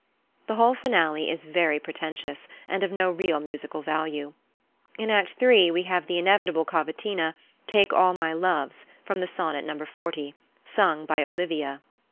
The whole finale is very pretentious and of no real musical value. In Act iii. we have the inevitable cavatina, "Take all my loves," from the Sonnet No. 40, sung by Olivia.